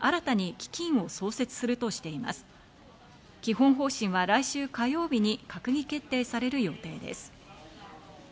基本方針は来週火曜日に閣議決定される予定です。